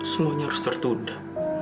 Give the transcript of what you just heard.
semuanya harus tertunda